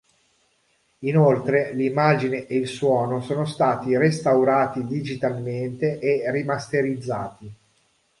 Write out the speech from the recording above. Inoltre l'immagine e il suono sono stati restaurati digitalmente e rimasterizzati.